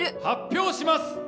発表します！